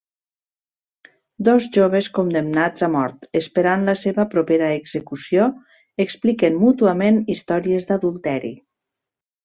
Dos joves condemnats a mort, esperant la seva propera execució, s'expliquen mútuament històries d'adulteri.